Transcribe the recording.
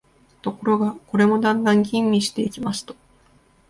ところが、これもだんだん吟味していきますと、